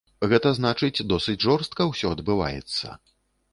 Гэта значыць, досыць жорстка ўсё адбываецца.